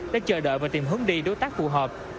để chờ đợi và tìm hướng đi đối tác phù hợp